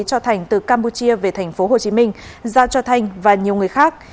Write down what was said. cho thanh từ campuchia về tp hồ chí minh giao cho thanh và nhiều người khác